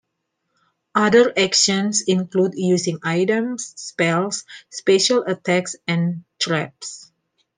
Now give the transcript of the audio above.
Other actions include using items, spells, special attacks and traps.